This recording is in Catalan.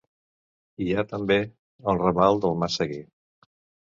Hi ha, també, el raval del Mas Seguer.